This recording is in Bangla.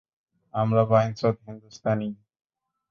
আমরা বাইঞ্চোদ হিন্দুস্তানিই।